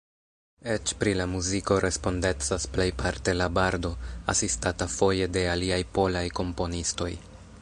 Eĉ pri la muziko respondecas plejparte la bardo, asistata foje de aliaj polaj komponistoj.